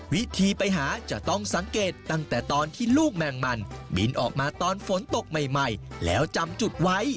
วิธีไปหาจะต้องสังเกตตั้งแต่ตอนที่ลูกแมงมันบินออกมาตอนฝนตกใหม่แล้วจำจุดไว้